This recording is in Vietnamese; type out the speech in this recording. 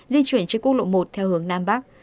di chuyển trên quốc lộ một theo hướng nam bắc